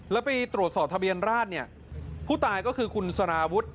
แล้วไปตรวจสอบทะเบียนราชเนี่ยผู้ตายก็คือคุณสารวุฒิ